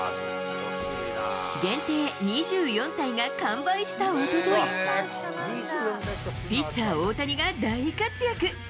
限定２４体が完売したおととい、ピッチャー、大谷が大活躍。